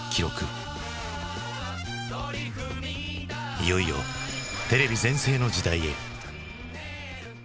いよいよテレビ全盛の時代へ。